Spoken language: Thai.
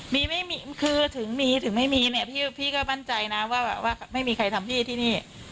มีไม่มีคือถึงมีถึงไม่มีเนี่ยพี่ก็มั่นใจนะว่าแบบว่าไม่มีใครทำพี่ที่นี่